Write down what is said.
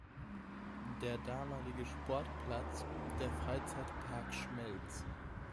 Der damalige Sportplatz: der Freizeitpark Schmelz.